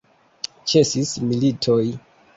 Ĉesis militoj!